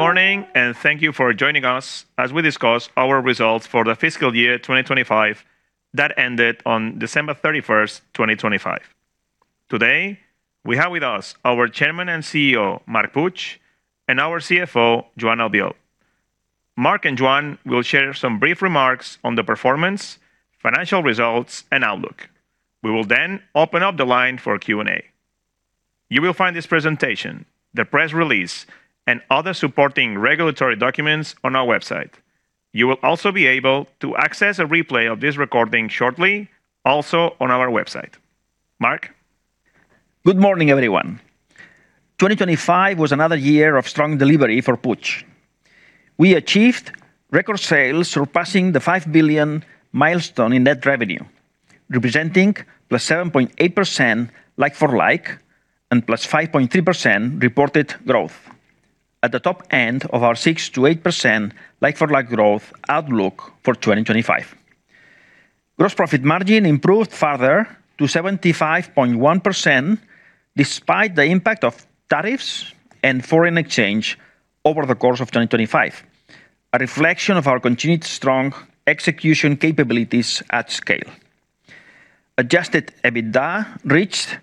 Good morning, and thank you for joining us as we discuss our results for the fiscal year 2025 that ended on December 31, 2025. Today, we have with us our Chairman and CEO, Marc Puig, and our CFO, Joan Albiol. Marc and Joan will share some brief remarks on the performance, financial results, and outlook. We will then open up the line for Q&A. You will find this presentation, the press release, and other supporting regulatory documents on our website. You will also be able to access a replay of this recording shortly, also on our website. Marc? Good morning, everyone. 2025 was another year of strong delivery for Puig. We achieved record sales, surpassing the 5 billion milestone in net revenue, representing +7.8% like-for-like, and +5.3% reported growth, at the top end of our 6%-8% like-for-like growth outlook for 2025. Gross profit margin improved further to 75.1%, despite the impact of tariffs and foreign exchange over the course of 2025, a reflection of our continued strong execution capabilities at scale. Adjusted EBITDA reached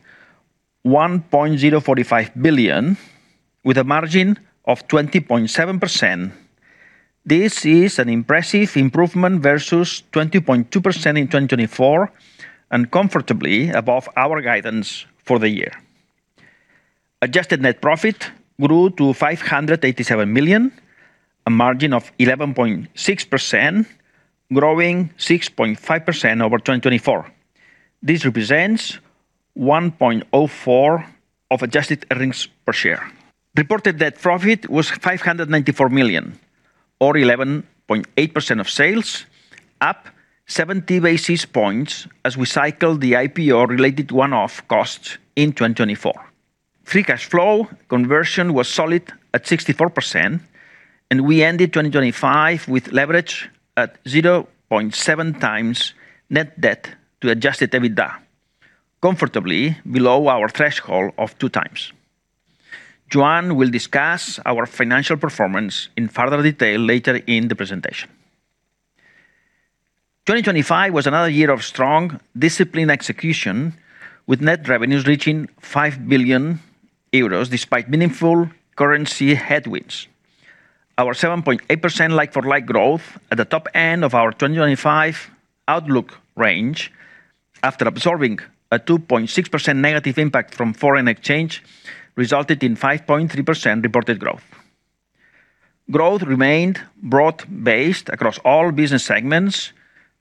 1.045 billion, with a margin of 20.7%. This is an impressive improvement versus 20.2% in 2024 and comfortably above our guidance for the year. Adjusted net profit grew to 587 million, a margin of 11.6%, growing 6.5% over 2024. This represents 1.04 of adjusted earnings per share. Reported net profit was 594 million, or 11.8% of sales, up 70 basis points as we cycle the IPO-related one-off costs in 2024. Free cash flow conversion was solid at 64%, and we ended 2025 with leverage at 0.7 times net debt to adjusted EBITDA, comfortably below our threshold of 2 times. Joan will discuss our financial performance in further detail later in the presentation. 2025 was another year of strong, disciplined execution, with net revenues reaching 5 billion euros, despite meaningful currency headwinds. Our 7.8% like-for-like growth at the top end of our 2025 outlook range, after absorbing a 2.6% negative impact from foreign exchange, resulted in 5.3% reported growth. Growth remained broad-based across all business segments,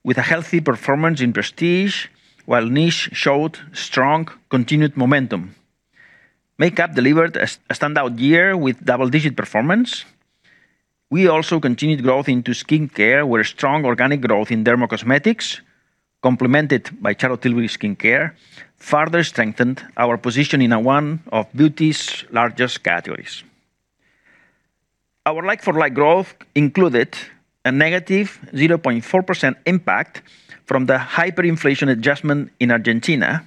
with a healthy performance in prestige, while niche showed strong continued momentum. Makeup delivered a standout year with double-digit performance. We also continued growth into skincare, where strong organic growth in dermacosmetics, complemented by Charlotte Tilbury Skincare, further strengthened our position in one of beauty's largest categories. Our like-for-like growth included a negative 0.4% impact from the hyperinflation adjustment in Argentina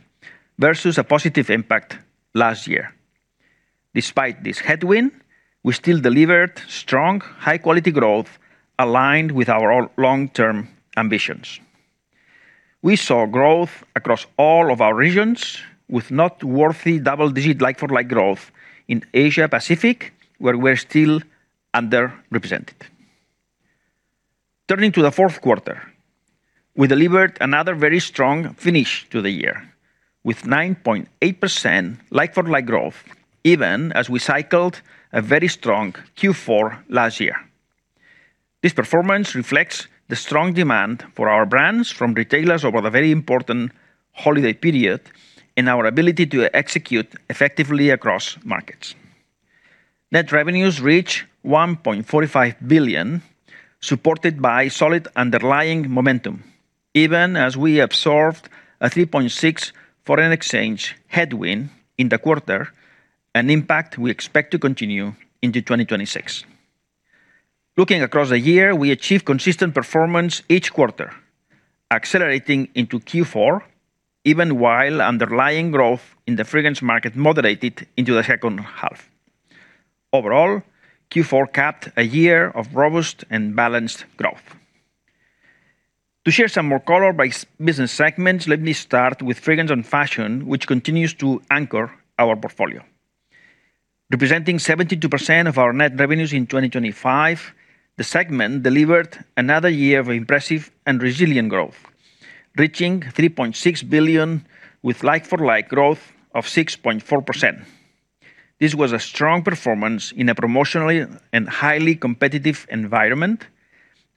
versus a positive impact last year. Despite this headwind, we still delivered strong, high-quality growth aligned with our long-term ambitions. We saw growth across all of our regions, with noteworthy double-digit like-for-like growth in Asia Pacific, where we're still underrepresented. Turning to the Q4, we delivered another very strong finish to the year, with 9.8% like-for-like growth, even as we cycled a very strong Q4 last year. This performance reflects the strong demand for our brands from retailers over the very important holiday period and our ability to execute effectively across markets. Net revenues reach 1.45 billion, supported by solid underlying momentum, even as we absorbed a 3.6 foreign exchange headwind in the quarter, an impact we expect to continue into 2026. Looking across the year, we achieved consistent performance each quarter, accelerating into Q4, even while underlying growth in the fragrance market moderated into the second half. Overall, Q4 capped a year of robust and balanced growth. To share some more color by business segments, let me start with fragrance and fashion, which continues to anchor our portfolio. Representing 72% of our net revenues in 2025, the segment delivered another year of impressive and resilient growth, reaching 3.6 billion with like-for-like growth of 6.4%. This was a strong performance in a promotionally and highly competitive environment,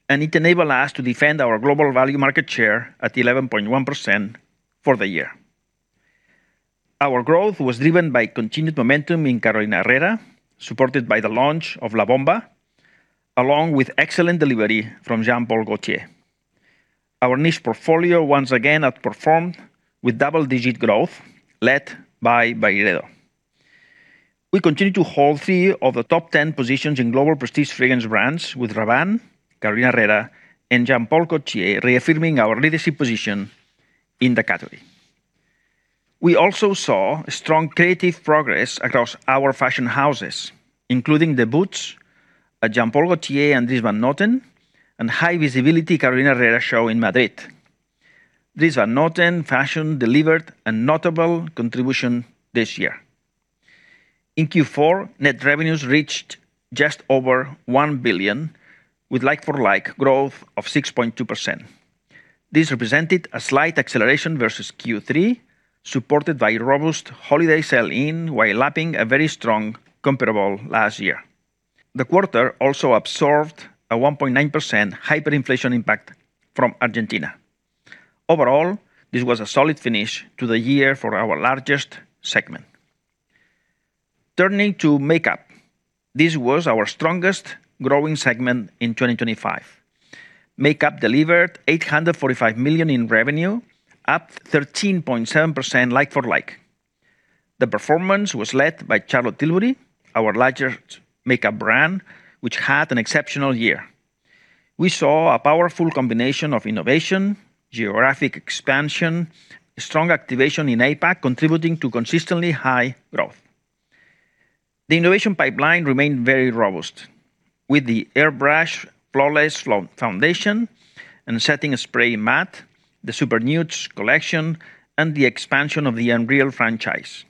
and it enabled us to defend our global value market share at 11.1% for the year. Our growth was driven by continued momentum in Carolina Herrera, supported by the launch of La Bomba, along with excellent delivery from Jean Paul Gaultier. Our niche portfolio once again outperformed with double-digit growth, led by Byredo. We continue to hold three of the top 10 positions in global prestige fragrance brands with Rabanne, Carolina Herrera, and Jean Paul Gaultier, reaffirming our leadership position in the category. We also saw strong creative progress across our fashion houses, including the boots at Jean Paul Gaultier and Dries Van Noten, and high visibility Carolina Herrera show in Madrid. Dries Van Noten fashion delivered a notable contribution this year. In Q4, net revenues reached just over 1 billion, with like-for-like growth of 6.2%. This represented a slight acceleration versus Q3, supported by robust holiday sell-in, while lapping a very strong comparable last year. The quarter also absorbed a 1.9% hyperinflation impact from Argentina. Overall, this was a solid finish to the year for our largest segment. Turning to makeup, this was our strongest growing segment in 2025. Makeup delivered 845 million in revenue, up 13.7% like for like. The performance was led by Charlotte Tilbury, our largest makeup brand, which had an exceptional year. We saw a powerful combination of innovation, geographic expansion, strong activation in APAC, contributing to consistently high growth. The innovation pipeline remained very robust, with the Airbrush Flawless Foundation and Setting Spray Matte, the Super Nudes collection, and the expansion of the Unreal franchise.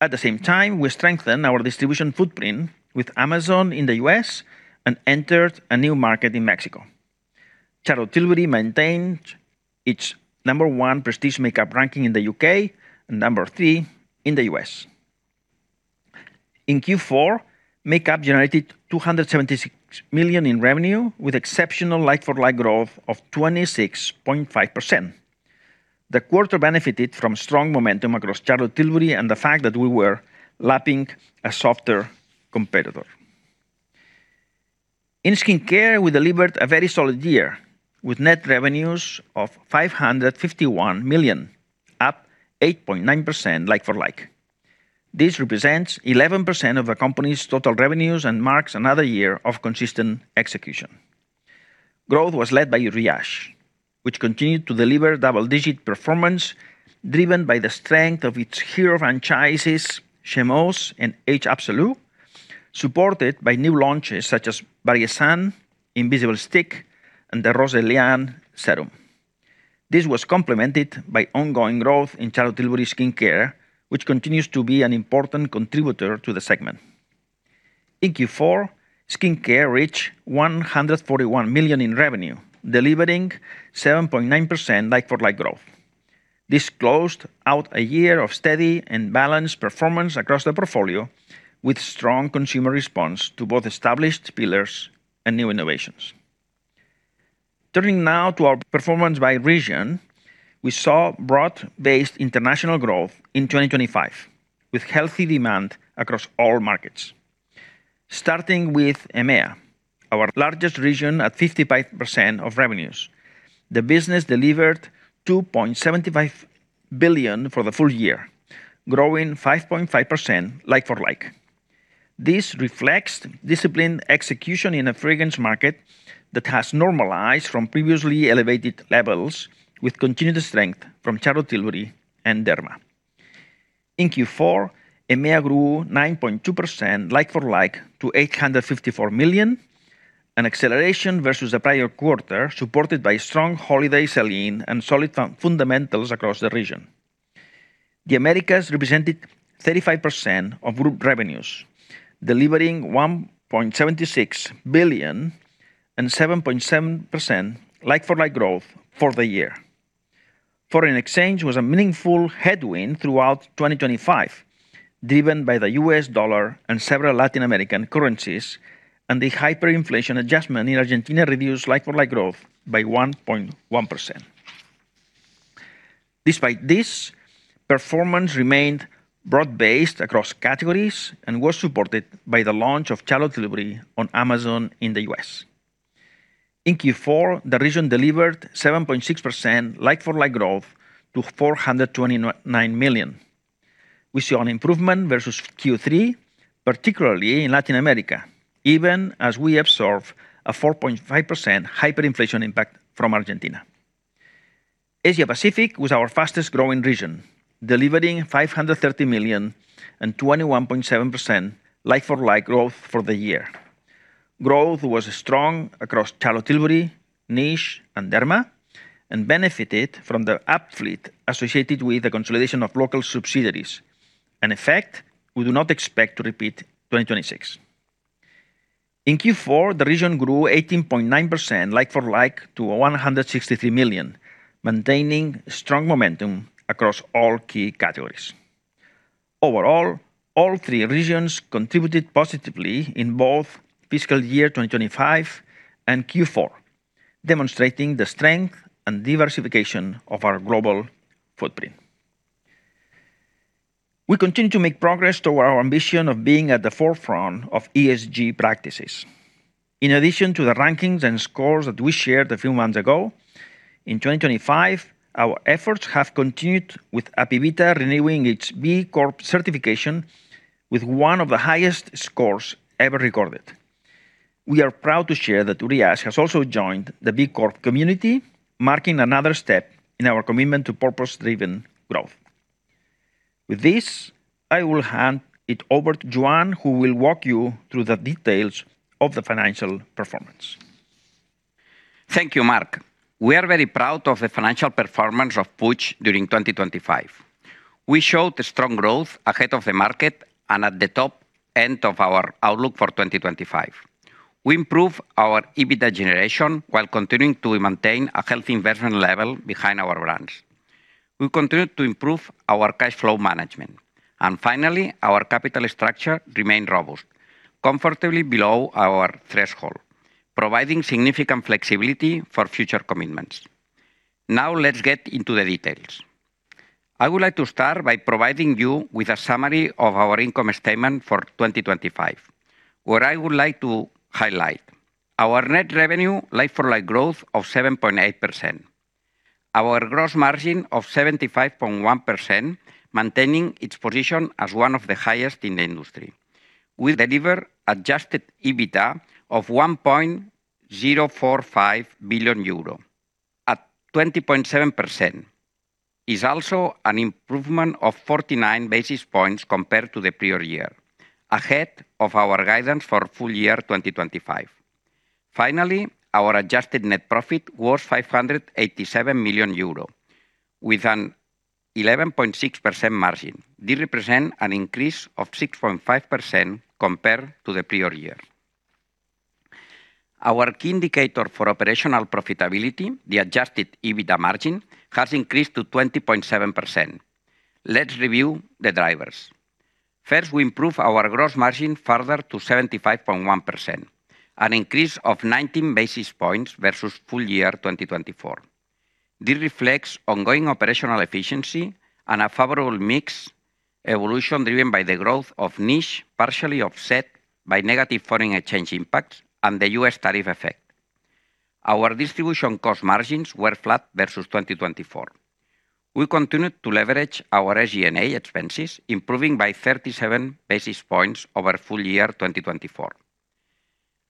At the same time, we strengthened our distribution footprint with Amazon in the U.S. and entered a new market in Mexico. Charlotte Tilbury maintained its number one prestige makeup ranking in the U.K. and number three in the U.S. In Q4, makeup generated 276 million in revenue, with exceptional like-for-like growth of 26.5%. The quarter benefited from strong momentum across Charlotte Tilbury and the fact that we were lapping a softer competitor. In skincare, we delivered a very solid year, with net revenues of 551 million, up 8.9% like-for-like. This represents 11% of the company's total revenues and marks another year of consistent execution. Growth was led by Uriage, which continued to deliver double-digit performance, driven by the strength of its hero franchises, Eau Thermale and Age Absolu, supported by new launches such as Bariésun Invisible Stick and the Roséliane Serum. This was complemented by ongoing growth in Charlotte Tilbury Skincare, which continues to be an important contributor to the segment. In Q4, skincare reached 141 million in revenue, delivering 7.9% like-for-like growth. This closed out a year of steady and balanced performance across the portfolio, with strong consumer response to both established pillars and new innovations. Turning now to our performance by region, we saw broad-based international growth in 2025, with healthy demand across all markets. Starting with EMEA, our largest region at 55% of revenues, the business delivered 2.75 billion for the full year, growing 5.5% like for like. This reflects disciplined execution in a fragrance market that has normalized from previously elevated levels, with continued strength from Charlotte Tilbury and Derma. In Q4, EMEA grew 9.2% like for like to 854 million, an acceleration versus the prior quarter, supported by strong holiday sell-in and solid fundamentals across the region. The Americas represented 35% of group revenues, delivering 1.76 billion and 7.7% like-for-like growth for the year. Foreign exchange was a meaningful headwind throughout 2025, driven by the US dollar and several Latin American currencies, and the hyperinflation adjustment in Argentina reduced like-for-like growth by 1.1%. Despite this, performance remained broad-based across categories and was supported by the launch of Charlotte Tilbury on Amazon in the U.S. In Q4, the region delivered 7.6% like-for-like growth to 429 million. We saw an improvement versus Q3, particularly in Latin America, even as we absorbed a 4.5% hyperinflation impact from Argentina. Asia Pacific was our fastest growing region, delivering 530 million and 21.7% like-for-like growth for the year. Growth was strong across Charlotte Tilbury, Niche, and Derma, and benefited from the uplift associated with the consolidation of local subsidiaries, an effect we do not expect to repeat in 2026. In Q4, the region grew 18.9% like-for-like to 163 million, maintaining strong momentum across all key categories. Overall, all three regions contributed positively in both fiscal year 2025 and Q4, demonstrating the strength and diversification of our global footprint. We continue to make progress toward our ambition of being at the forefront of ESG practices. In addition to the rankings and scores that we shared a few months ago, in 2025, our efforts have continued with Apivita renewing its B Corp certification with one of the highest scores ever recorded. We are proud to share that Uriage has also joined the B Corp community, marking another step in our commitment to purpose-driven growth. With this, I will hand it over to Joan, who will walk you through the details of the financial performance. Thank you, Marc. We are very proud of the financial performance of Puig during 2025. We showed a strong growth ahead of the market and at the top end of our outlook for 2025. We improved our EBITDA generation while continuing to maintain a healthy investment level behind our brands. We continued to improve our cash flow management. Finally, our capital structure remained robust, comfortably below our threshold, providing significant flexibility for future commitments. Now, let's get into the details. I would like to start by providing you with a summary of our income statement for 2025, where I would like to highlight our net revenue like-for-like growth of 7.8%. Our gross margin of 75.1%, maintaining its position as one of the highest in the industry. We deliver adjusted EBITDA of 1.045 billion euro at 20.7%. It is also an improvement of 49 basis points compared to the prior year, ahead of our guidance for full year 2025. Finally, our adjusted net profit was 587 million euro, with an 11.6% margin. This represent an increase of 6.5% compared to the prior year. Our key indicator for operational profitability, the adjusted EBITDA margin, has increased to 20.7%. Let's review the drivers. First, we improve our gross margin further to 75.1%, an increase of 19 basis points versus full year 2024. This reflects ongoing operational efficiency and a favorable mix evolution, driven by the growth of niche, partially offset by negative foreign exchange impacts and the U.S. tariff effect. Our distribution cost margins were flat versus 2024. We continued to leverage our SG&A expenses, improving by 37 basis points over full year 2024.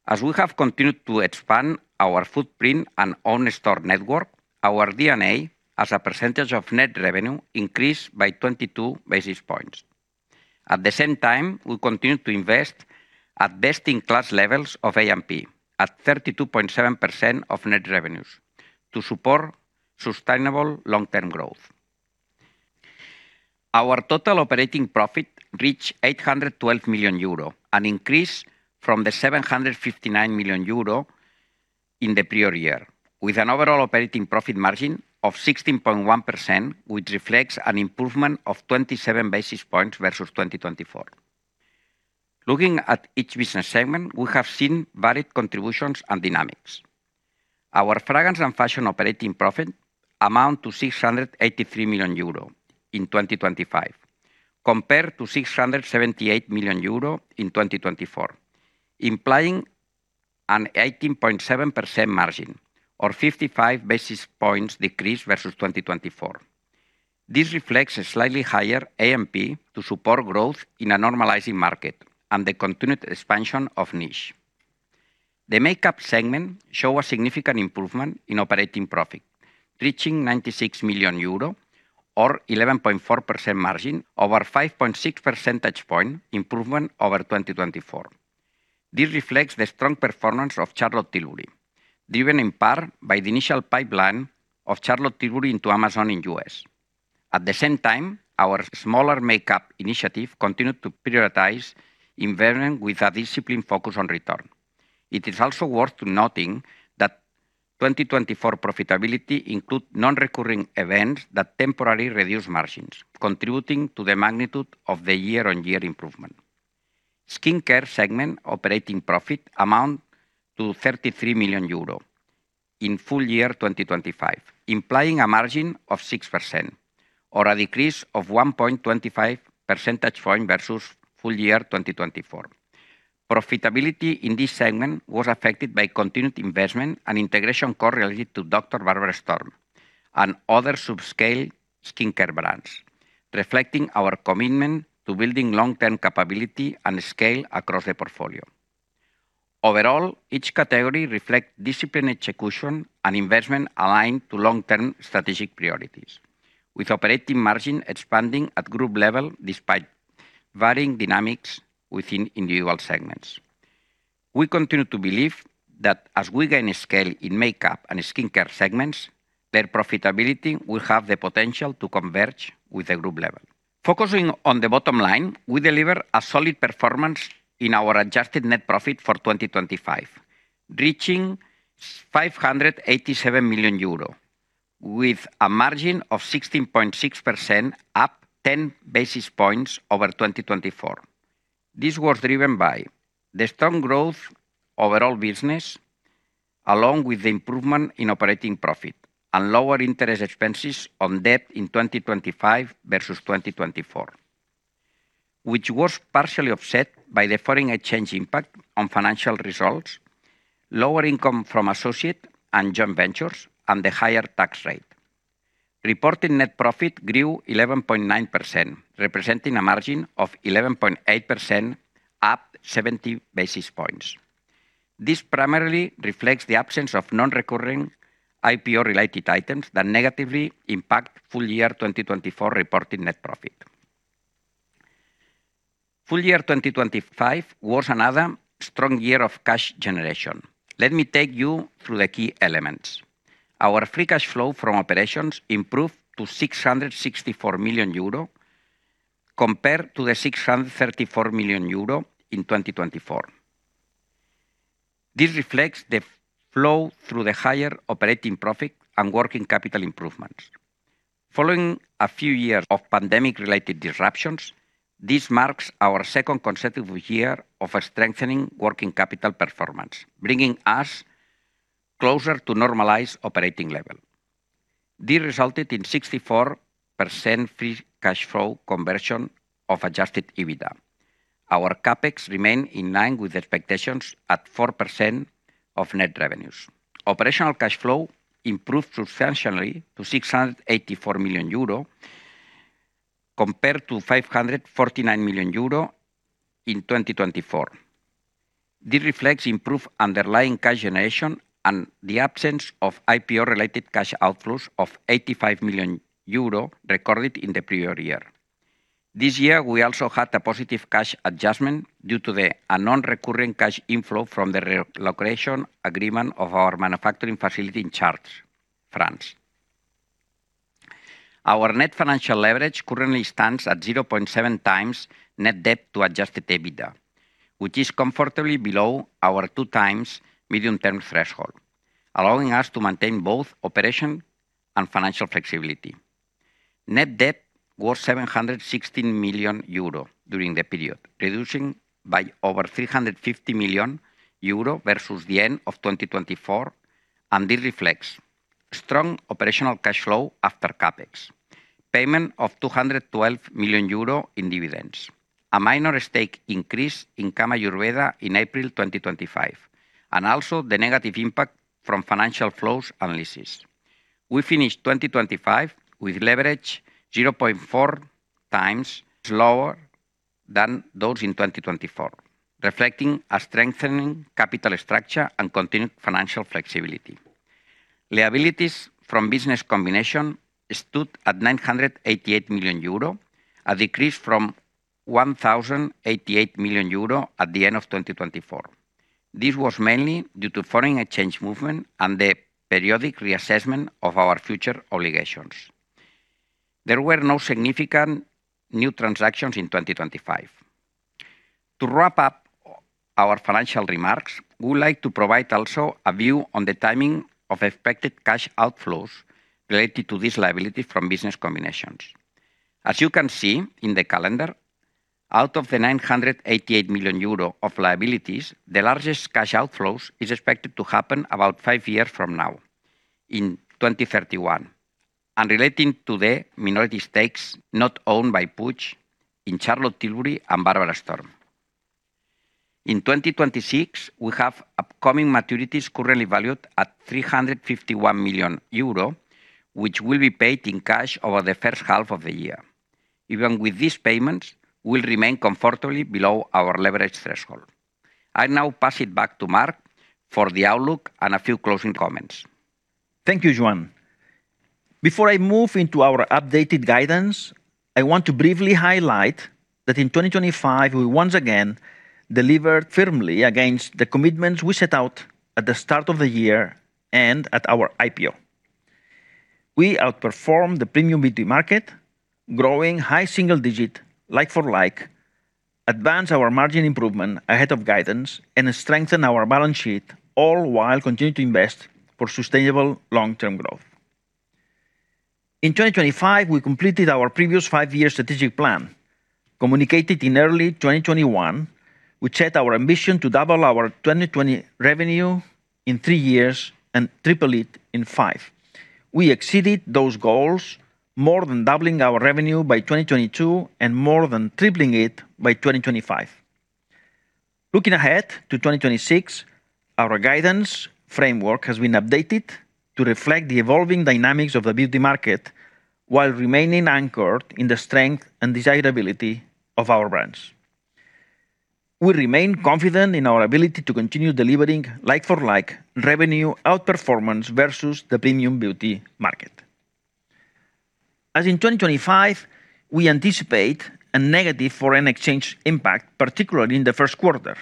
As we have continued to expand our footprint and own store network, our D&A as a percentage of net revenue increased by 22 basis points. At the same time, we continued to invest at best-in-class levels of A&P at 32.7% of net revenues to support sustainable long-term growth. Our total operating profit reached 812 million euro, an increase from the 759 million euro in the prior year, with an overall operating profit margin of 16.1%, which reflects an improvement of 27 basis points versus 2024. Looking at each business segment, we have seen varied contributions and dynamics. Our fragrance and fashion operating profit amount to 683 million euro in 2025, compared to 678 million euro in 2024, implying an 18.7% margin or 55 basis points decrease versus 2024. This reflects a slightly higher A&P to support growth in a normalizing market and the continued expansion of niche. The makeup segment shows a significant improvement in operating profit, reaching 96 million euro or 11.4% margin over 5.6 percentage point improvement over 2024. This reflects the strong performance of Charlotte Tilbury, driven in part by the initial pipeline of Charlotte Tilbury into Amazon in US. At the same time, our smaller makeup initiative continued to prioritize investment with a disciplined focus on return. It is also worth noting that 2024 profitability included non-recurring events that temporarily reduced margins, contributing to the magnitude of the year-on-year improvement. Skincare segment operating profit amounted to 33 million euro in full year 2025, implying a margin of 6% or a decrease of 1.25 percentage point versus full year 2024. Profitability in this segment was affected by continued investment and integration costs related to Dr. Barbara Sturm and other subscale skincare brands, reflecting our commitment to building long-term capability and scale across the portfolio. Overall, each category reflects disciplined execution and investment aligned to long-term strategic priorities, with operating margin expanding at group level, despite varying dynamics within individual segments. We continue to believe that as we gain scale in makeup and skincare segments, their profitability will have the potential to converge with the group level. Focusing on the bottom line, we deliver a solid performance in our adjusted net profit for 2025, reaching 587 million euro, with a margin of 16.6%, up 10 basis points over 2024. This was driven by the strong growth overall business, along with the improvement in operating profit and lower interest expenses on debt in 2025 versus 2024, which was partially offset by the foreign exchange impact on financial results, lower income from associate and joint ventures, and the higher tax rate. Reported net profit grew 11.9%, representing a margin of 11.8%, up 70 basis points. This primarily reflects the absence of non-recurring IPO-related items that negatively impact full year 2024 reported net profit. Full year 2025 was another strong year of cash generation. Let me take you through the key elements. Our free cash flow from operations improved to 664 million euro, compared to 634 million euro in 2024. This reflects the flow through the higher operating profit and working capital improvements. Following a few years of pandemic-related disruptions, this marks our second consecutive year of a strengthening working capital performance, bringing us closer to normalized operating level. This resulted in 64% free cash flow conversion of adjusted EBITDA. Our CapEx remained in line with expectations at 4% of net revenues. Operational cash flow improved substantially to 684 million euro, compared to 549 million euro in 2024. This reflects improved underlying cash generation and the absence of IPO-related cash outflows of 85 million euro recorded in the prior year. This year, we also had a positive cash adjustment due to a non-recurring cash inflow from the relocation agreement of our manufacturing facility in Chartres, France. Our net financial leverage currently stands at 0.7x net debt to adjusted EBITDA, which is comfortably below our 2x medium-term threshold, allowing us to maintain both operational and financial flexibility. Net debt was 716 million euro during the period, reducing by over 350 million euro versus the end of 2024, and this reflects strong operational cash flow after CapEx, payment of 212 million euro in dividends, a minor stake increase in Kama Ayurveda in April 2025, and also the negative impact from financial flows analysis. We finished 2025 with leverage 0.4 times lower than those in 2024, reflecting a strengthening capital structure and continued financial flexibility. Liabilities from business combination stood at 988 million euro, a decrease from 1,088 million euro at the end of 2024. This was mainly due to foreign exchange movement and the periodic reassessment of our future obligations. There were no significant new transactions in 2025. To wrap up our financial remarks, we would like to provide also a view on the timing of expected cash outflows related to these liabilities from business combinations. As you can see in the calendar, out of the 988 million euro of liabilities, the largest cash outflows is expected to happen about five years from now, in 2031, and relating to the minority stakes not owned by Puig in Charlotte Tilbury and Barbara Sturm. In 2026, we have upcoming maturities currently valued at 351 million euro, which will be paid in cash over the first half of the year. Even with these payments, we'll remain comfortably below our leverage threshold. I now pass it back to Marc for the outlook and a few closing comments. Thank you, Joan. Before I move into our updated guidance, I want to briefly highlight that in 2025, we once again delivered firmly against the commitments we set out at the start of the year and at our IPO. We outperformed the premium beauty market, growing high single-digit like-for-like, advanced our margin improvement ahead of guidance, and strengthened our balance sheet, all while continuing to invest for sustainable long-term growth. In 2025, we completed our previous five-year strategic plan. Communicated in early 2021, we set our ambition to double our 2020 revenue in three years and triple it in five. We exceeded those goals, more than doubling our revenue by 2022, and more than tripling it by 2025. Looking ahead to 2026, our guidance framework has been updated to reflect the evolving dynamics of the beauty market while remaining anchored in the strength and desirability of our brands. We remain confident in our ability to continue delivering like-for-like revenue outperformance versus the premium beauty market. As in 2025, we anticipate a negative foreign exchange impact, particularly in the Q1,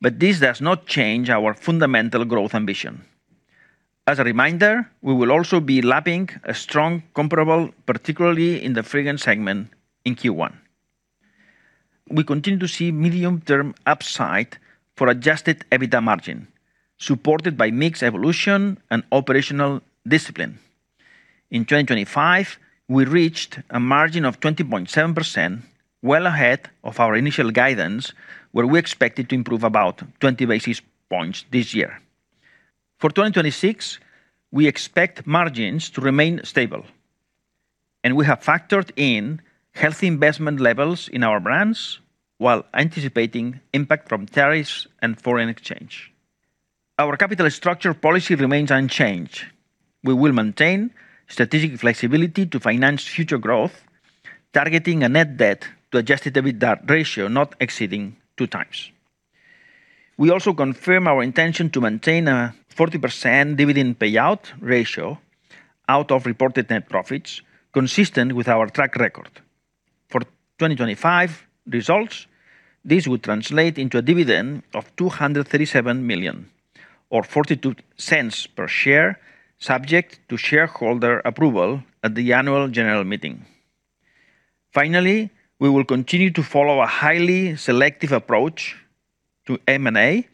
but this does not change our fundamental growth ambition. As a reminder, we will also be lapping a strong comparable, particularly in the fragrance segment in Q1. We continue to see medium-term upside for Adjusted EBITDA margin, supported by mix evolution and operational discipline. In 2025, we reached a margin of 20.7%, well ahead of our initial guidance, where we expected to improve about 20 basis points this year. For 2026, we expect margins to remain stable, and we have factored in healthy investment levels in our brands while anticipating impact from tariffs and foreign exchange. Our capital structure policy remains unchanged. We will maintain strategic flexibility to finance future growth, targeting a net debt to adjusted EBITDA ratio not exceeding 2x. We also confirm our intention to maintain a 40% dividend payout ratio out of reported net profits, consistent with our track record. For 2025 results, this would translate into a dividend of 237 million, or 0.42 EUR per share, subject to shareholder approval at the annual general meeting. Finally, we will continue to follow a highly selective approach to M&A,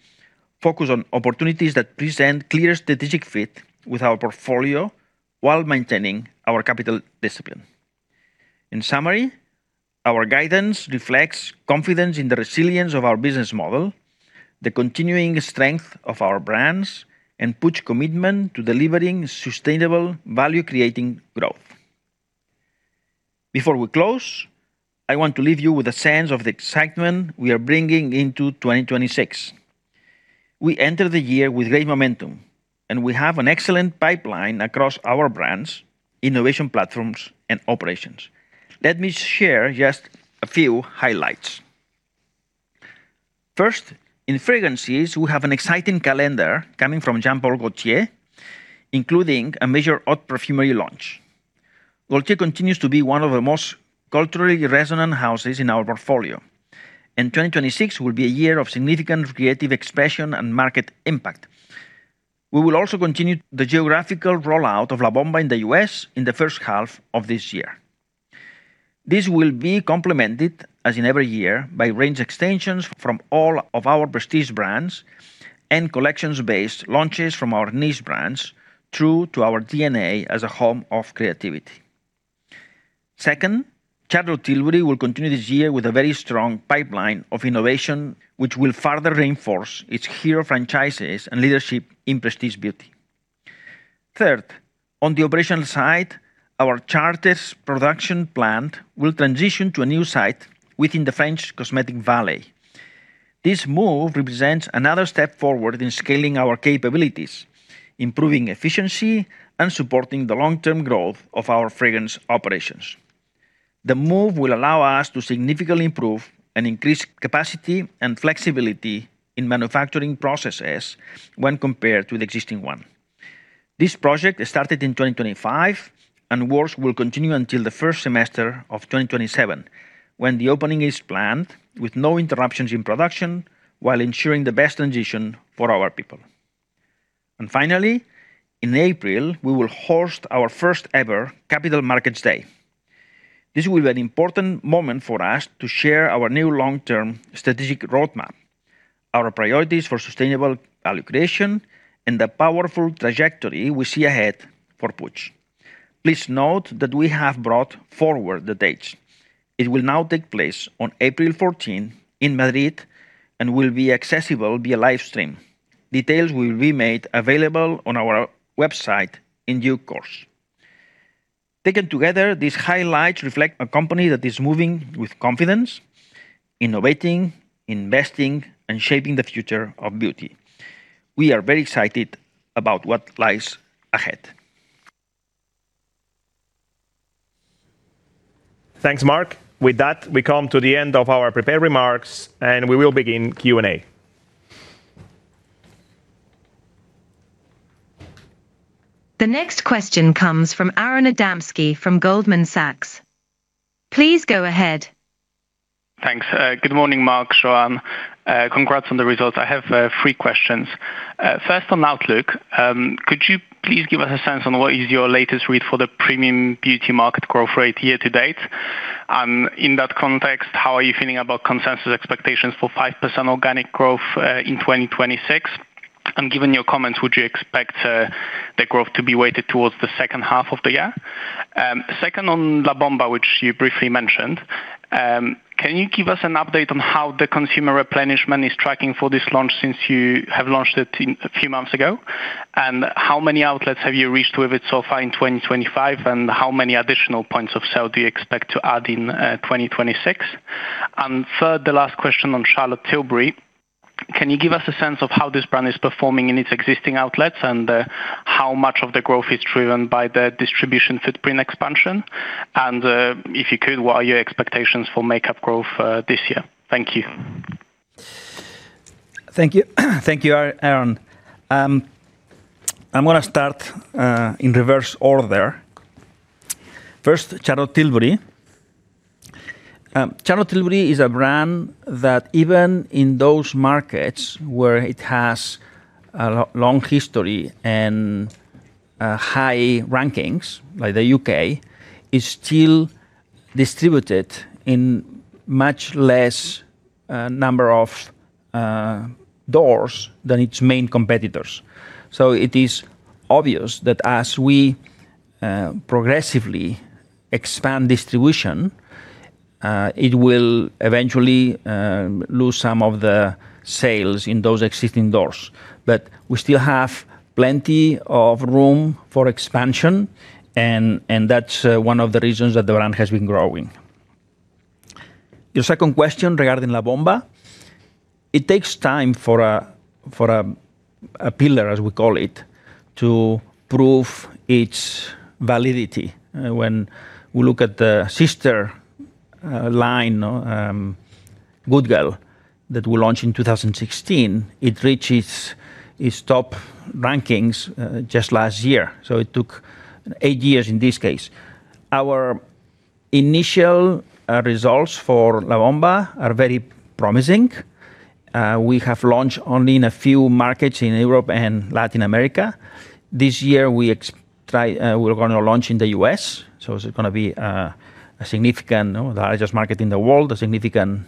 focus on opportunities that present clear strategic fit with our portfolio while maintaining our capital discipline. In summary, our guidance reflects confidence in the resilience of our business model, the continuing strength of our brands, and Puig's commitment to delivering sustainable value, creating growth. Before we close, I want to leave you with a sense of the excitement we are bringing into 2026. We enter the year with great momentum, and we have an excellent pipeline across our brands, innovation platforms, and operations. Let me share just a few highlights. First, in fragrances, we have an exciting calendar coming from Jean Paul Gaultier, including a major haute perfumery launch. Gaultier continues to be one of the most culturally resonant houses in our portfolio, and 2026 will be a year of significant creative expression and market impact. We will also continue the geographical rollout of La Bomba in the US in the first half of this year. This will be complemented, as in every year, by range extensions from all of our prestige brands and collections-based launches from our niche brands, true to our D&A as a home of creativity. Second, Charlotte Tilbury will continue this year with a very strong pipeline of innovation, which will further reinforce its hero franchises and leadership in prestige beauty. Third, on the operational side, our Chartres production plant will transition to a new site within the French Cosmetic Valley. This move represents another step forward in scaling our capabilities, improving efficiency, and supporting the long-term growth of our fragrance operations. The move will allow us to significantly improve and increase capacity and flexibility in manufacturing processes when compared to the existing one. This project started in 2025, and works will continue until the first semester of 2027, when the opening is planned, with no interruptions in production while ensuring the best transition for our people. Finally, in April, we will host our first-ever Capital Markets Day. This will be an important moment for us to share our new long-term strategic roadmap, our priorities for sustainable value creation, and the powerful trajectory we see ahead for Puig. Please note that we have brought forward the dates. It will now take place on April 14 in Madrid and will be accessible via live stream. Details will be made available on our website in due course. Taken together, these highlights reflect a company that is moving with confidence, innovating, investing, and shaping the future of beauty. We are very excited about what lies ahead. Thanks, Marc. With that, we come to the end of our prepared remarks, and we will begin Q&A. The next question comes from Aron Adamski from Goldman Sachs. Please go ahead. Thanks. Good morning, Marc, Joan. Congrats on the results. I have three questions. First, on outlook, could you please give us a sense on what is your latest read for the premium beauty market growth rate year to date? And in that context, how are you feeling about consensus expectations for 5% organic growth in 2026? And given your comments, would you expect the growth to be weighted towards the second half of the year? Second, on La Bomba, which you briefly mentioned, can you give us an update on how the consumer replenishment is tracking for this launch since you have launched it a few months ago? And how many outlets have you reached with it so far in 2025, and how many additional points of sale do you expect to add in 2026? Third, the last question on Charlotte Tilbury, can you give us a sense of how this brand is performing in its existing outlets, and how much of the growth is driven by the distribution footprint expansion? If you could, what are your expectations for makeup growth this year? Thank you. Thank you. Thank you, Aron. I'm gonna start in reverse order. First, Charlotte Tilbury. Charlotte Tilbury is a brand that even in those markets where it has a long history and high rankings, like the UK, is still distributed in much less number of doors than its main competitors. So it is obvious that as we progressively expand distribution, it will eventually lose some of the sales in those existing doors. But we still have plenty of room for expansion, and that's one of the reasons that the brand has been growing. Your second question regarding La Bomba, it takes time for a pillar, as we call it, to prove its validity. When we look at the sister line, Good Girl, that we launched in 2016, it reached its top rankings just last year, so it took eight years in this case. Our initial results for La Bomba are very promising. We have launched only in a few markets in Europe and Latin America. This year, we're gonna launch in the U.S., so it's gonna be a significant, you know, the largest market in the world, a significant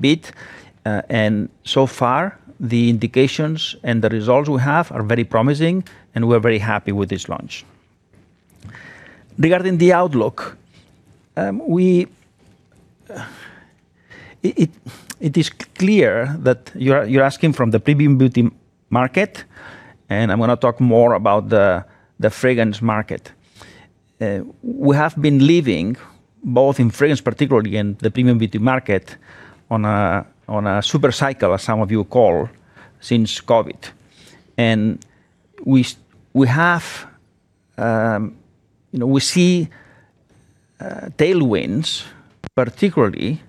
bit. And so far, the indications and the results we have are very promising, and we're very happy with this launch. Regarding the outlook, it is clear that you're asking from the premium beauty market, and I'm gonna talk more about the fragrance market. We have been living, both in fragrance particularly and the premium beauty market, on a super cycle, as some of you call it, since COVID. We have, you know, we see tailwinds, particularly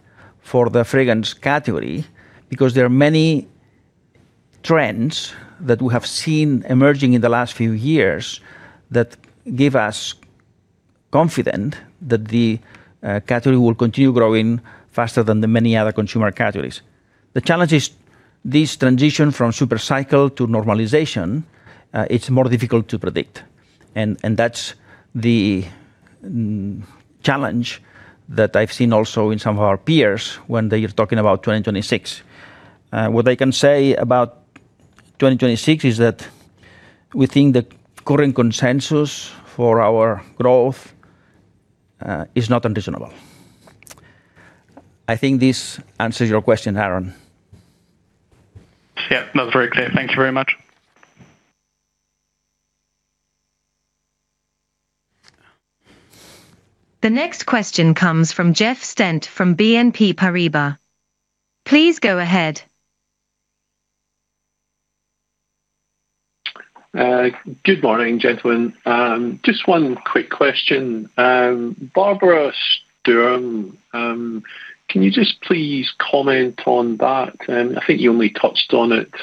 for the fragrance category, because there are many trends that we have seen emerging in the last few years that give us confident that the category will continue growing faster than the many other consumer categories. The challenge is this transition from super cycle to normalization; it's more difficult to predict. That's the challenge that I've seen also in some of our peers when they are talking about 2026. What I can say about 2026 is that we think the current consensus for our growth is not unreasonable. I think this answers your question, Aron. Yeah, that's very clear. Thank you very much. The next question comes from Jeff Stent from BNP Paribas. Please go ahead. Good morning, gentlemen. Just one quick question. Barbara Sturm, can you just please comment on that? And I think you only touched on it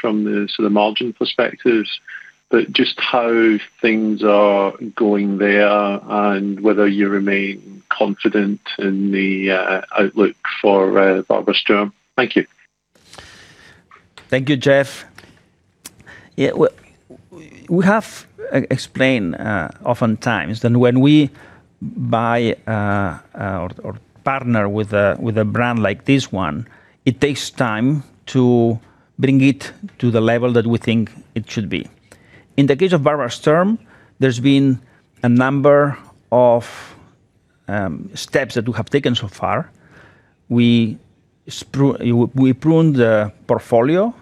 from the sort of margin perspectives, but just how things are going there and whether you remain confident in the outlook for Barbara Sturm. Thank you. Thank you, Jeff. Yeah, well, we have explained oftentimes that when we buy or partner with a brand like this one, it takes time to bring it to the level that we think it should be. In the case of Barbara Sturm, there's been a number of steps that we have taken so far. We pruned the portfolio,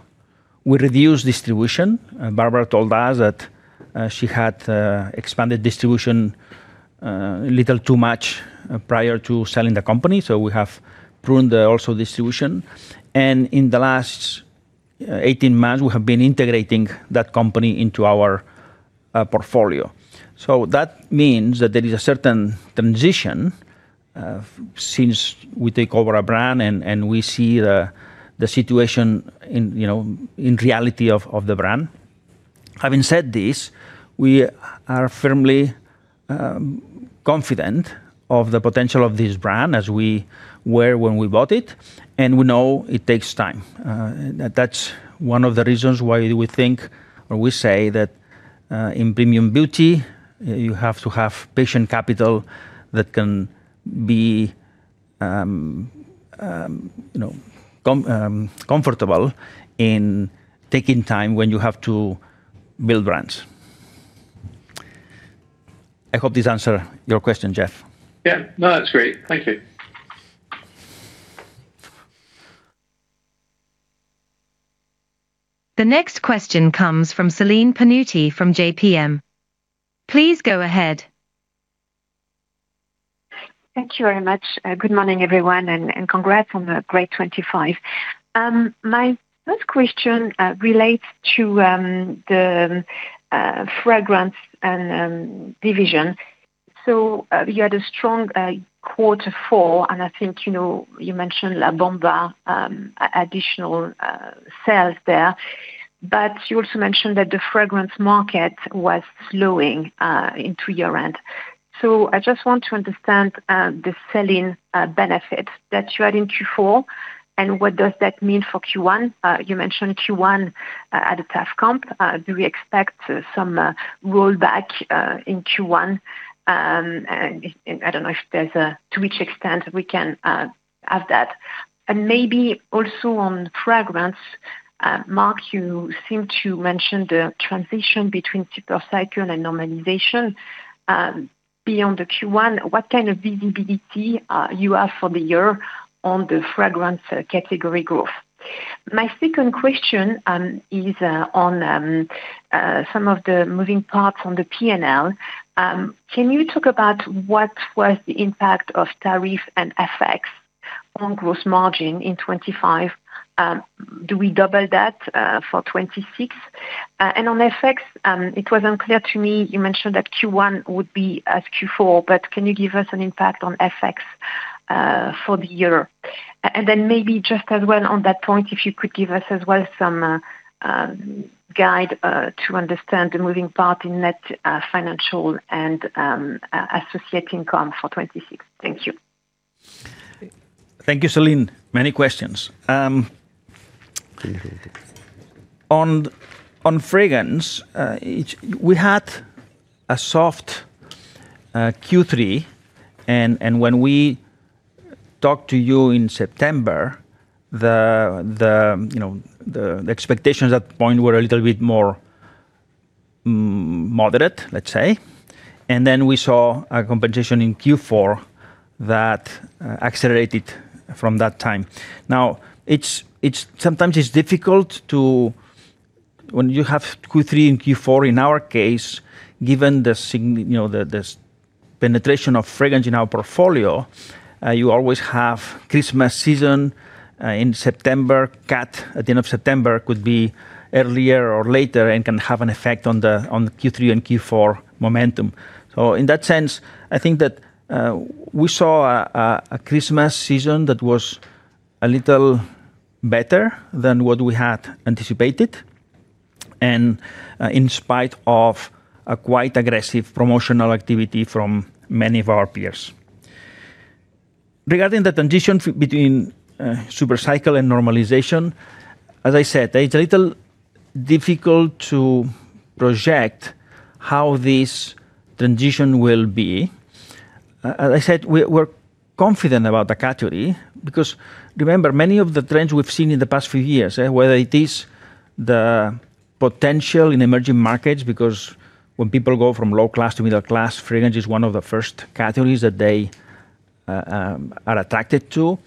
we reduced distribution. Barbara told us that she had expanded distribution a little too much prior to selling the company, so we have pruned the also distribution. And in the last 18 months, we have been integrating that company into our portfolio. So that means that there is a certain transition since we take over a brand and we see the situation in you know in reality of the brand. Having said this, we are firmly confident of the potential of this brand as we were when we bought it, and we know it takes time. That's one of the reasons why we think, or we say that, in premium beauty, you have to have patient capital that can be, you know, comfortable in taking time when you have to build brands. I hope this answer your question, Jeff. Yeah. No, that's great. Thank you. The next question comes from Celine Pannuti from JPM. Please go ahead. Thank you very much. Good morning, everyone, and congrats on the great 25. My first question relates to the fragrance and division. So you had a strong quarter four, and I think, you know, you mentioned La Bomba, additional sales there, but you also mentioned that the fragrance market was slowing into year-end. So I just want to understand the selling benefit that you had in Q4, and what does that mean for Q1? You mentioned Q1 at a tough comp. Do we expect some rollback in Q1? And I don't know if there's a-- to which extent we can have that. And maybe also on fragrance, Marc, you seemed to mention the transition between super cycle and normalization. Beyond the Q1, what kind of visibility you have for the year on the fragrance category growth? My second question is on some of the moving parts on the P&L. Can you talk about what was the impact of tariff and FX on gross margin in 2025? Do we double that for 2026? And on FX, it was unclear to me, you mentioned that Q1 would be as Q4, but can you give us an impact on FX for the year? And then maybe just as well on that point, if you could give us as well some guide to understand the moving part in net financial and associated income for 2026. Thank you. Thank you, Céline. Many questions. On fragrance, we had a soft Q3, and when we talked to you in September, you know, the expectations at that point were a little bit more moderate, let's say. And then we saw a consumption in Q4 that accelerated from that time. Now, it's sometimes it's difficult to when you have Q3 and Q4, in our case, given the significant, you know, the penetration of fragrance in our portfolio, you always have Christmas season in September. That, at the end of September, could be earlier or later and can have an effect on the Q3 and Q4 momentum. So in that sense, I think that we saw a Christmas season that was a little better than what we had anticipated, and in spite of a quite aggressive promotional activity from many of our peers. Regarding the transition between super cycle and normalization, as I said, it's a little difficult to project how this transition will be. As I said, we're confident about the category, because remember, many of the trends we've seen in the past few years, whether it is the potential in emerging markets, because when people go from low class to middle class, fragrance is one of the first categories that they are attracted to.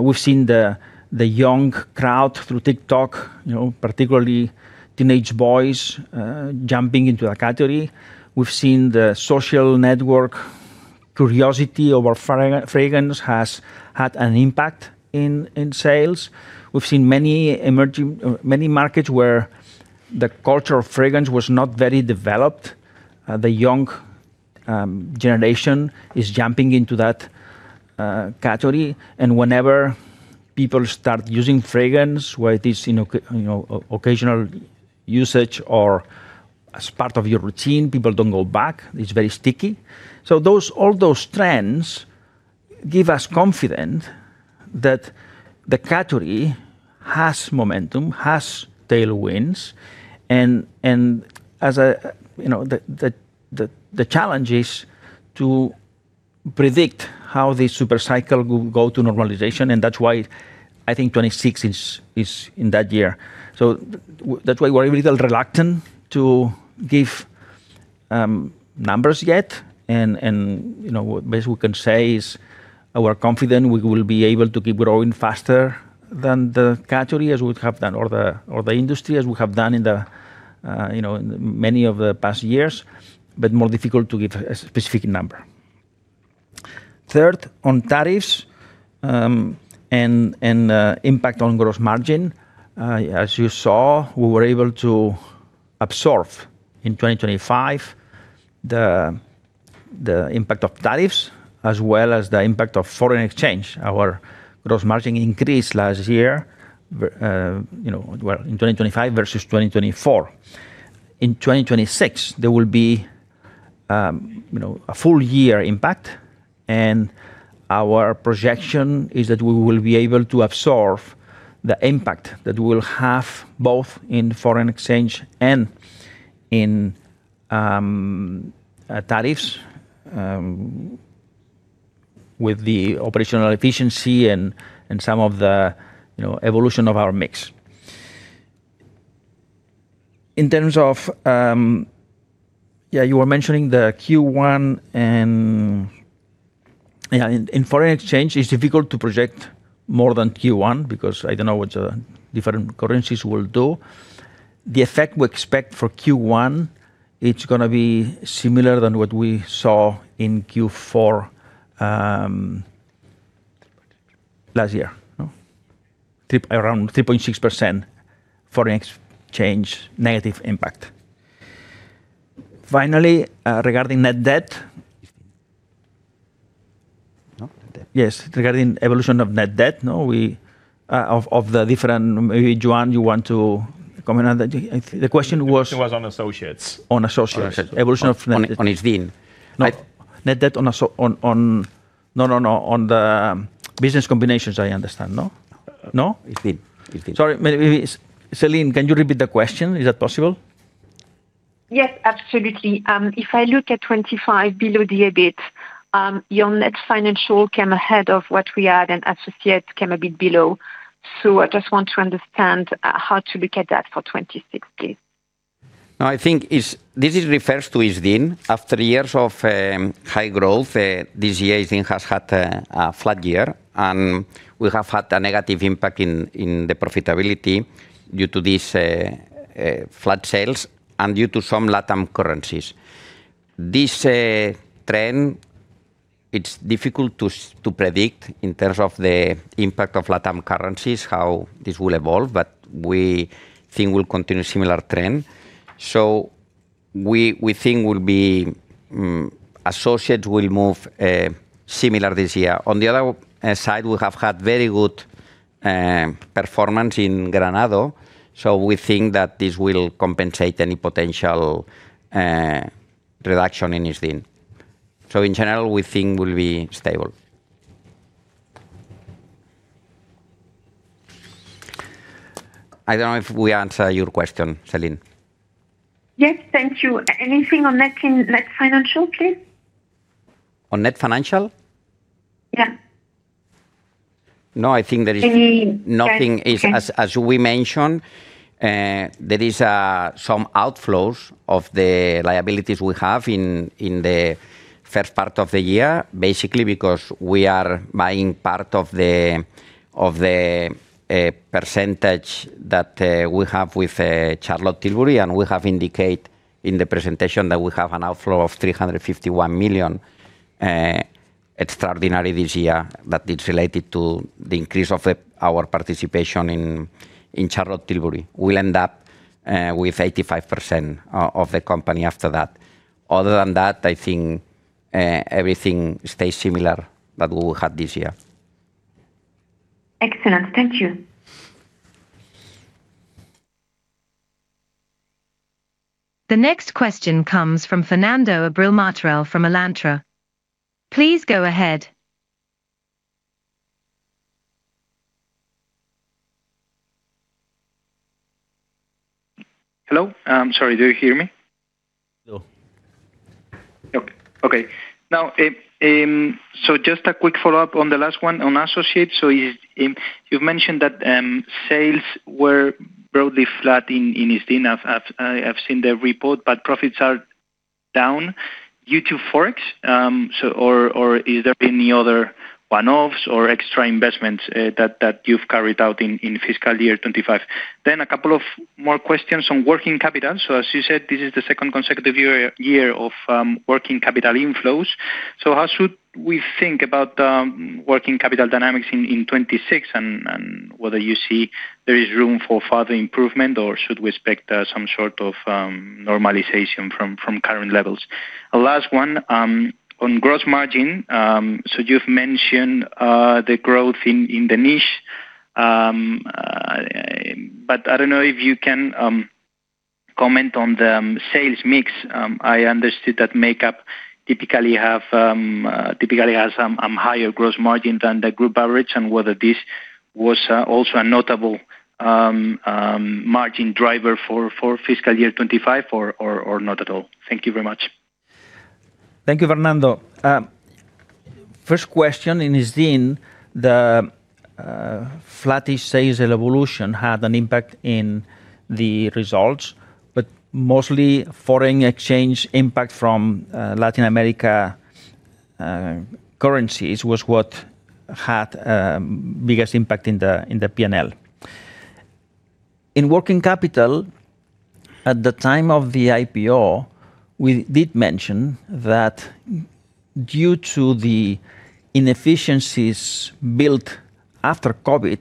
We've seen the young crowd through TikTok, you know, particularly teenage boys, jumping into our category. We've seen the social network curiosity over fragrance has had an impact in sales. We've seen many emerging markets where the culture of fragrance was not very developed. The young generation is jumping into that category. And whenever people start using fragrance, whether it is, you know, occasional usage or as part of your routine, people don't go back. It's very sticky. So those all those trends give us confident that the category has momentum, has tailwinds, and as a, you know, the challenge is to predict how the super cycle will go to normalization, and that's why I think 2026 is in that year. So that's why we're a little reluctant to give numbers yet, and you know, what best we can say is we're confident we will be able to keep growing faster than the category, as we have done, or the industry, as we have done in the you know, in many of the past years, but more difficult to give a specific number. Third, on tariffs, and impact on gross margin, as you saw, we were able to absorb in 2025 the impact of tariffs as well as the impact of foreign exchange. Our gross margin increased last year, you know, well, in 2025 versus 2024. In 2026, there will be, you know, a full year impact, and our projection is that we will be able to absorb the impact that we will have both in foreign exchange and in tariffs, with the operational efficiency and some of the, you know, evolution of our mix. In terms of... Yeah, you were mentioning the Q1, and, yeah, in foreign exchange, it's difficult to project more than Q1, because I don't know what the different currencies will do. The effect we expect for Q1, it's gonna be similar than what we saw in Q4, last year, no? This around 3.6% foreign exchange negative impact. Finally, regarding net debt- No, Net Debt. Yes, regarding evolution of Net Debt, no? We, maybe, Joan, you want to comment on that? I think the question was- The question was on associates. On associates. associates. Evolution of net- On ISDIN. No. Net Debt on the business combinations, I understand, no? No? It did. It did. Sorry, maybe, maybe Celine, can you repeat the question? Is that possible? Yes, absolutely. If I look at 25 below the EBIT, your net financial came ahead of what we had, and associates came a bit below. So I just want to understand how to look at that for 2026. No, I think it's this is refers to ISDIN. After years of high growth, this year, ISDIN has had a flat year, and we have had a negative impact in the profitability due to this flat sales and due to some LATAM currencies. This trend, it's difficult to predict in terms of the impact of LATAM currencies, how this will evolve, but we think we'll continue similar trend. So we think we'll be, Associates will move similar this year. On the other side, we have had very good performance in Granado, so we think that this will compensate any potential reduction in ISDIN. So in general, we think we'll be stable. I don't know if we answer your question, Celine. Yes, thank you. Anything on net financial, please? On net financial? Yeah. No, I think there is- Any- Nothing is- Okay. As we mentioned, there is some outflows of the liabilities we have in the first part of the year, basically because we are buying part of the percentage that we have with Charlotte Tilbury, and we have indicate in the presentation that we have an outflow of 351 million extraordinary this year, but it's related to the increase of our participation in Charlotte Tilbury. We'll end up with 85% of the company after that. Other than that, I think everything stays similar that we will have this year. Excellent. Thank you. The next question comes from Fernando Abril-Martorell from Alantra. Please go ahead. Hello. I'm sorry, do you hear me? Hello. Okay. Okay. Now, so just a quick follow-up on the last one, on associates. So you've mentioned that sales were broadly flat in ISDIN. I've seen the report, but profits are down due to Forex. So, or is there any other one-offs or extra investments that you've carried out in fiscal year 2025? Then a couple of more questions on working capital. So as you said, this is the second consecutive year of working capital inflows. So how should we think about working capital dynamics in 2026, and whether you see there is room for further improvement, or should we expect some sort of normalization from current levels? The last one, on gross margin. So you've mentioned the growth in the niche, but I don't know if you can comment on the sales mix. I understood that makeup typically has higher gross margin than the group average, and whether this was also a notable margin driver for fiscal year 25 or not at all. Thank you very much. Thank you, Fernando. First question in ISDIN, the flattish sales evolution had an impact in the results, but mostly foreign exchange impact from Latin America currencies was what had biggest impact in the P&L. In working capital, at the time of the IPO, we did mention that due to the inefficiencies built after COVID,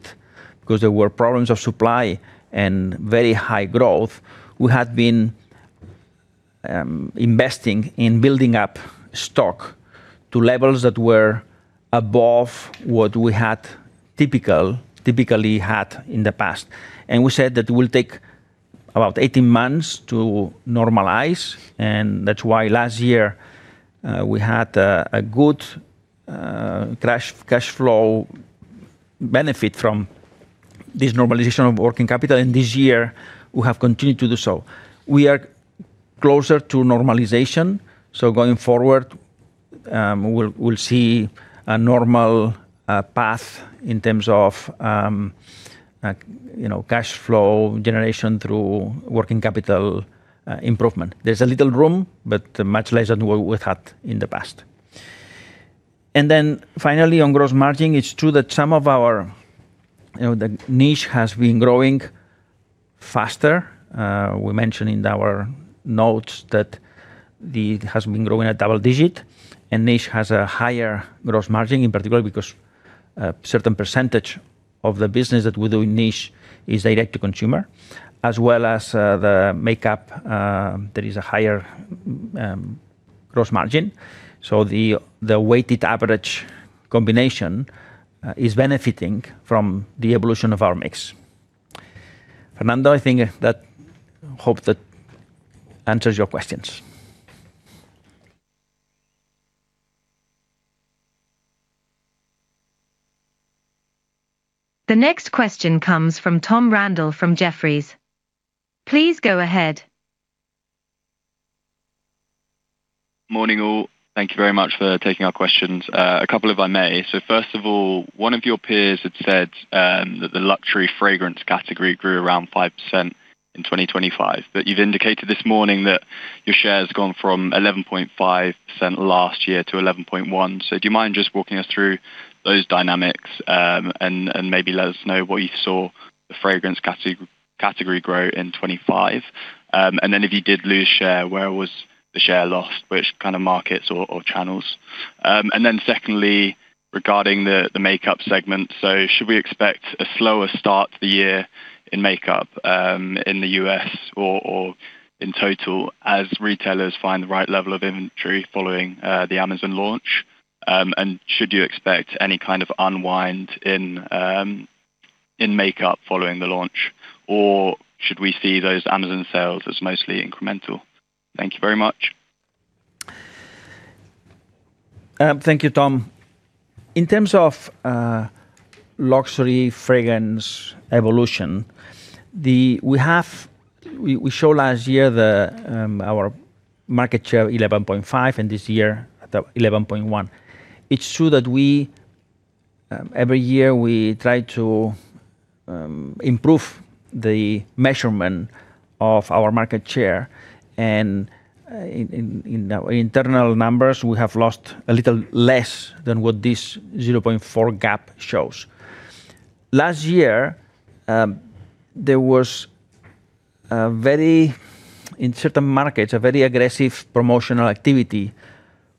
because there were problems of supply and very high growth, we had been investing in building up stock to levels that were above what we had typically had in the past. And we said that it will take about 18 months to normalize, and that's why last year we had a good cash flow benefit from this normalization of working capital, and this year we have continued to do so. We are closer to normalization, so going forward, we'll, we'll see a normal path in terms of, you know, cash flow generation through working capital improvement. There's a little room, but much less than we, we've had in the past. And then finally, on gross margin, it's true that some of our you know, the niche has been growing faster. We mentioned in our notes that the, it has been growing at double digit, and niche has a higher gross margin, in particular because, a certain percentage of the business that we do in niche is direct to consumer, as well as, the makeup, there is a higher, gross margin. So the, the weighted average combination, is benefiting from the evolution of our mix. Fernando, I think that hope that answers your questions. The next question comes from Tom Randall from Jefferies. Please go ahead. Morning, all. Thank you very much for taking our questions. A couple, if I may. So first of all, one of your peers had said that the luxury fragrance category grew around 5% in 2025, but you've indicated this morning that your share has gone from 11.5% last year to 11.1%. So do you mind just walking us through those dynamics, and maybe let us know what you saw the fragrance category grow in 2025? And then if you did lose share, where was the share lost, which kind of markets or channels? And then secondly, regarding the makeup segment, so should we expect a slower start to the year in makeup in the U.S. or in total, as retailers find the right level of inventory following the Amazon launch? Should you expect any kind of unwind in makeup following the launch, or should we see those Amazon sales as mostly incremental? Thank you very much. Thank you, Tom. In terms of luxury fragrance evolution, we have. We showed last year our market share, 11.5, and this year, 11.1. It's true that every year, we try to improve the measurement of our market share, and in our internal numbers, we have lost a little less than what this 0.4 gap shows. Last year, there was a very, in certain markets, a very aggressive promotional activity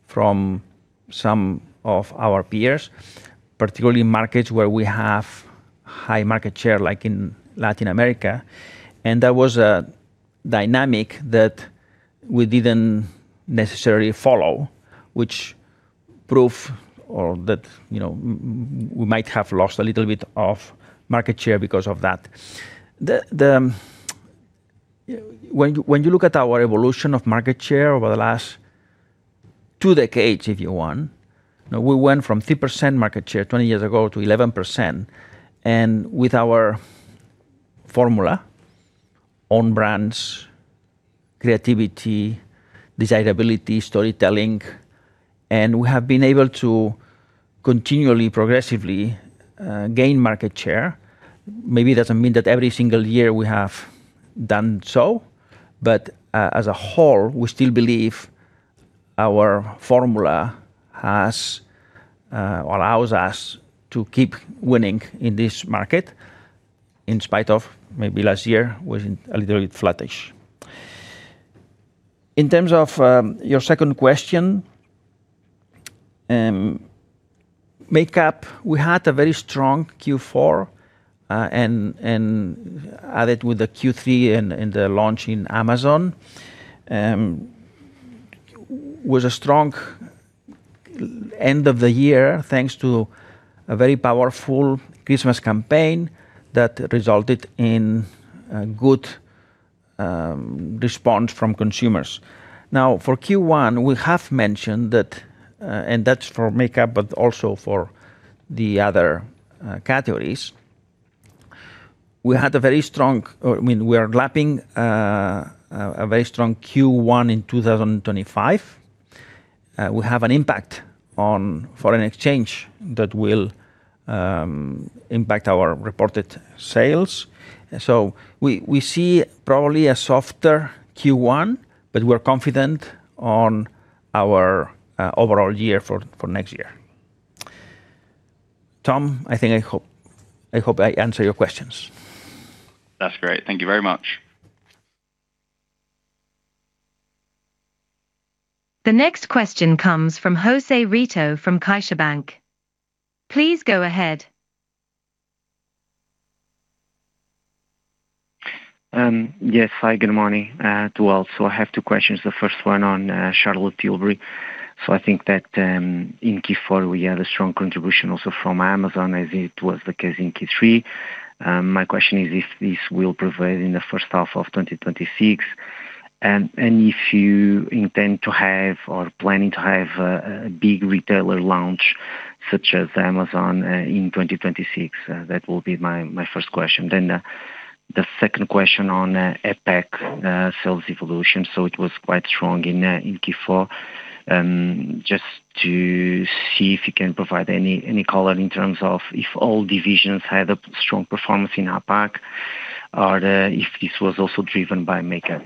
from some of our peers, particularly in markets where we have high market share, like in Latin America, and that was a dynamic that we didn't necessarily follow, which prove or that, you know, we might have lost a little bit of market share because of that. When you look at our evolution of market share over the last two decades, if you want, now we went from 3% market share 20 years ago to 11%, and with our formula, own brands, creativity, desirability, storytelling, and we have been able to continually, progressively, gain market share. Maybe it doesn't mean that every single year we have done so, but as a whole, we still believe our formula has allows us to keep winning in this market, in spite of maybe last year was a little bit flattish. In terms of your second question, makeup, we had a very strong Q4, and added with the Q3 and the launch in Amazon was a strong end of the year, thanks to a very powerful Christmas campaign that resulted in a good response from consumers. Now, for Q1, we have mentioned that. And that's for makeup, but also for the other categories. We had a very strong or I mean, we are lapping a very strong Q1 in 2025. We have an impact on foreign exchange that will impact our reported sales, and so we see probably a softer Q1, but we're confident on our overall year for next year. Tom, I think I hope, I hope I answer your questions. That's great. Thank you very much. The next question comes from Jose Rito from CaixaBank. Please go ahead. Yes. Hi, good morning to all. So I have two questions. The first one on Charlotte Tilbury. So I think that in Q4, we had a strong contribution also from Amazon, as it was the case in Q3. My question is if this will prevail in the first half of 2026, and if you intend to have or planning to have a big retailer launch, such as Amazon, in 2026? That will be my first question. Then the second question on APAC sales evolution, so it was quite strong in Q4. Just to see if you can provide any color in terms of if all divisions had a strong performance in APAC or if this was also driven by makeup.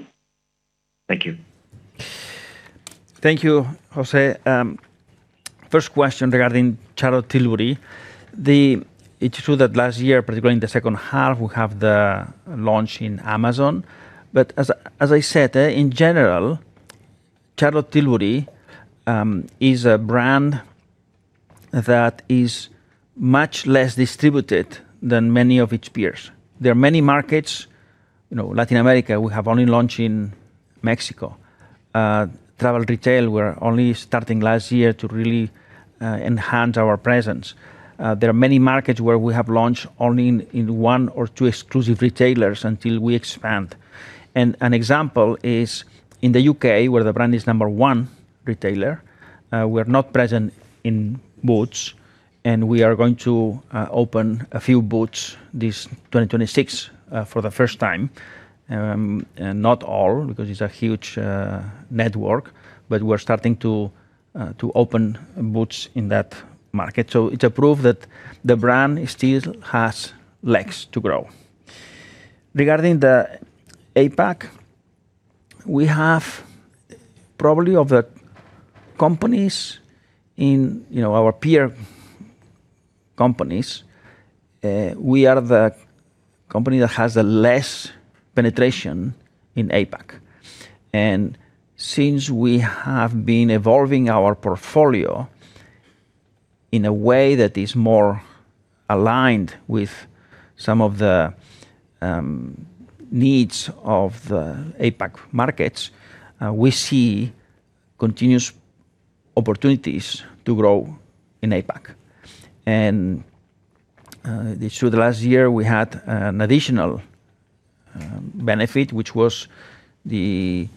Thank you. Thank you, José. First question regarding Charlotte Tilbury. It's true that last year, particularly in the second half, we have the launch in Amazon. But as I said, in general, Charlotte Tilbury is a brand that is much less distributed than many of its peers. There are many markets, you know, Latin America, we have only launched in Mexico. Travel retail, we're only starting last year to really enhance our presence. There are many markets where we have launched only in one or two exclusive retailers until we expand. And an example is in the U.K., where the brand is number one retailer, we're not present in Boots, and we are going to open a few Boots this 2026 for the first time. And not all, because it's a huge network, but we're starting to open Boots in that market. So it's a proof that the brand still has legs to grow. Regarding the APAC, we have probably of the companies in, you know, our peer companies, we are the company that has a less penetration in APAC. And since we have been evolving our portfolio in a way that is more aligned with some of the needs of the APAC markets, we see continuous opportunities to grow in APAC. And this through the last year, we had an additional benefit, which was the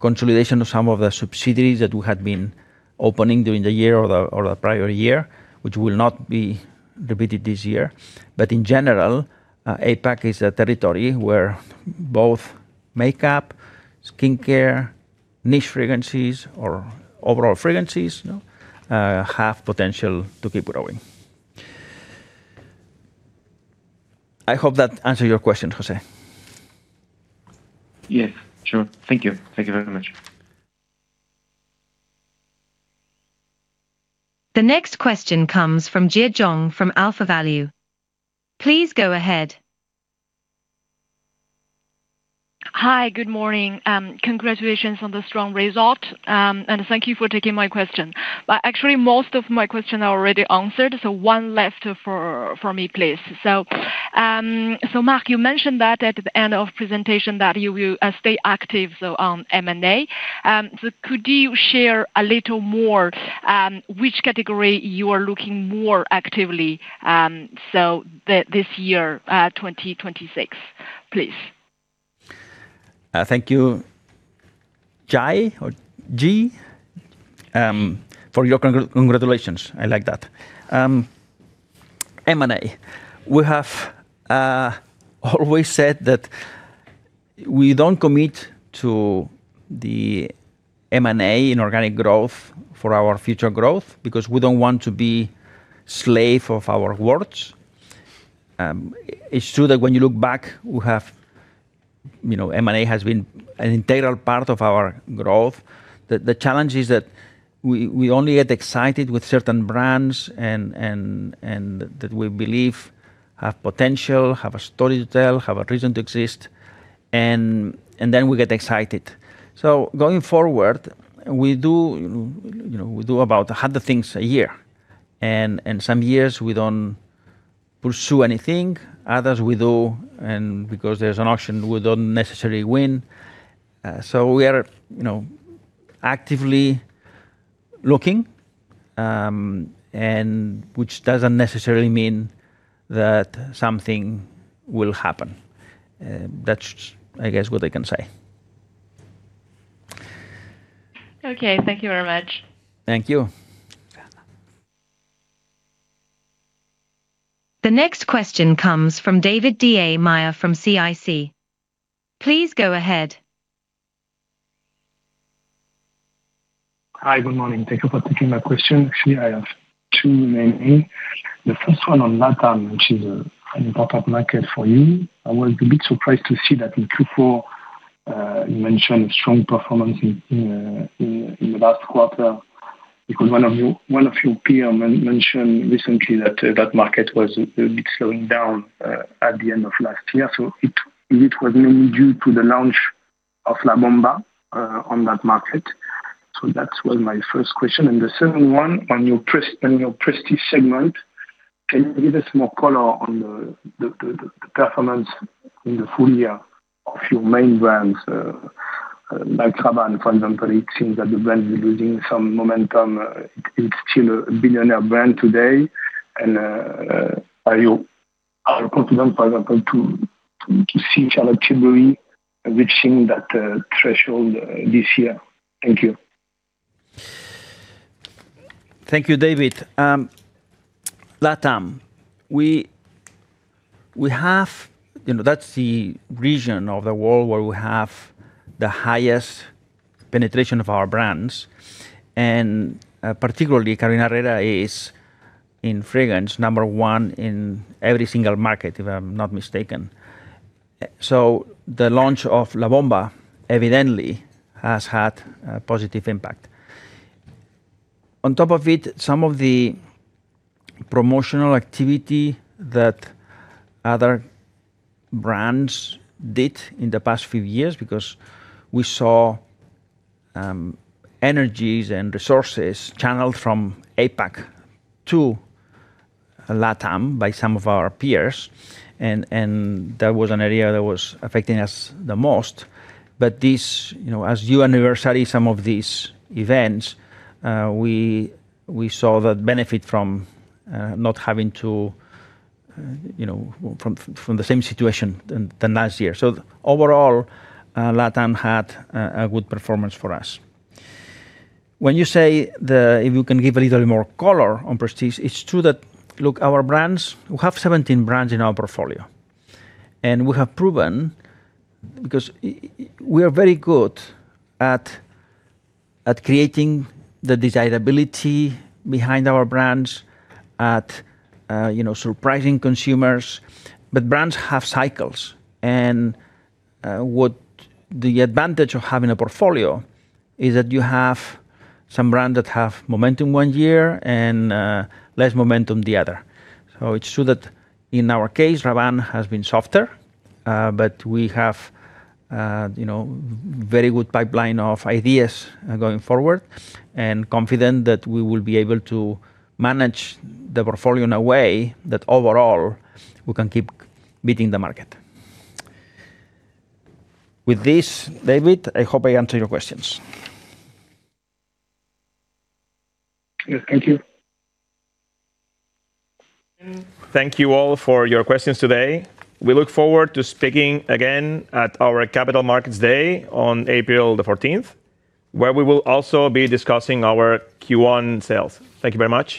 consolidation of some of the subsidiaries that we had been opening during the year or the prior year, which will not be repeated this year. In general, APAC is a territory where both makeup, skincare, niche fragrances or overall fragrances, you know, have potential to keep growing. I hope that answer your question, Jose. Yeah, sure. Thank you. Thank you very much. The next question comes from Jie Zhang from AlphaValue. Please go ahead. Hi, good morning. Congratulations on the strong result, and thank you for taking my question. But actually, most of my question are already answered, so one left for me, please. So, Marc, you mentioned that at the end of presentation that you will stay active, so on M&A. So could you share a little more, which category you are looking more actively, so this year, 2026, please? Thank you, Jie, for your congratulations. I like that. M&A. We have always said that we don't commit to the M&A in organic growth for our future growth because we don't want to be slave of our words. It's true that when you look back, we have, you know, M&A has been an integral part of our growth. The challenge is that we only get excited with certain brands and that we believe have potential, have a story to tell, have a reason to exist, and then we get excited. So going forward, we do, you know, we do about 100 things a year, and some years we don't pursue anything, others we do, and because there's an auction, we don't necessarily win. So we are, you know, actively looking, and which doesn't necessarily mean that something will happen. That's, I guess, what I can say. Okay. Thank you very much. Thank you. The next question comes from David Da Maia from CIC. Please go ahead. Hi, good morning. Thank you for taking my question. Actually, I have two mainly. The first one on LATAM, which is an important market for you. I was a bit surprised to see that in Q4, you mentioned a strong performance in the last quarter, because one of your peers mentioned recently that that market was slowing down at the end of last year. So it was mainly due to the launch of La Bomba on that market. So that was my first question. And the second one, on your prestige segment, can you give us more color on the performance in the full year of your main brands, like Rabanne, for example, it seems that the brand is losing some momentum. It's still a billionaire brand today, and are you... Are you confident, for example, to see Charlotte Tilbury reaching that threshold this year? Thank you. Thank you, David. LATAM, we have you know, that's the region of the world where we have the highest penetration of our brands, and particularly Carolina Herrera is, in fragrance, number one in every single market, if I'm not mistaken. So the launch of La Bomba evidently has had a positive impact. On top of it, some of the promotional activity that other brands did in the past few years, because we saw energies and resources channeled from APAC to LATAM by some of our peers, and that was an area that was affecting us the most. But this, you know, as you anniversary some of these events, we saw the benefit from not having to, you know, from the same situation than last year. So overall, LATAM had a good performance for us. When you say, if you can give a little more color on prestige, it's true that, look, our brands, we have 17 brands in our portfolio, and we have proven, because we are very good at creating the desirability behind our brands, at you know, surprising consumers, but brands have cycles. And what the advantage of having a portfolio is that you have some brands that have momentum one year and less momentum the other. So it's true that in our case, Rabanne has been softer, but we have you know, very good pipeline of ideas going forward, and confident that we will be able to manage the portfolio in a way that overall we can keep beating the market. With this, David, I hope I answered your questions. Yes, thank you. Thank you all for your questions today. We look forward to speaking again at our Capital Markets Day on April the 14th, where we will also be discussing our Q1 sales. Thank you very much.